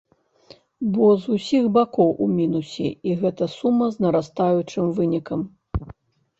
Бо з усіх бакоў у мінусе, і гэта сума з нарастаючым вынікам.